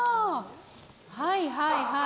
「はいはいはい」